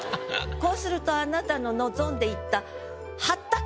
こうするとあなたの臨んでいった